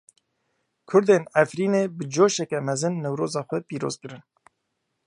Kurdên Efrînê bi coşeke mezin Newroza xwe pîroz kirin.